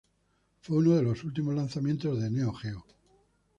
Fue uno de los últimos lanzamientos de Neo Geo.